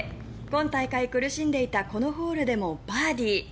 今大会苦しんでいたこのホールでも、バーディー。